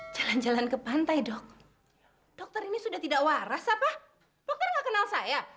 jalan jalan ke pantai dok dokter ini sudah tidak waras apa dokter nggak kenal saya